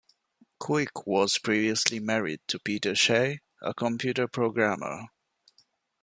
Quick was previously married to Peter Shay, a computer programmer.